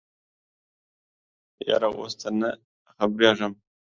یاره اوس تې نه خبریږم